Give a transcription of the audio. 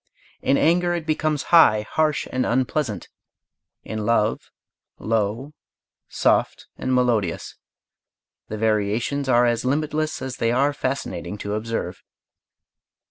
In anger it becomes high, harsh, and unpleasant; in love low, soft, and melodious the variations are as limitless as they are fascinating to observe.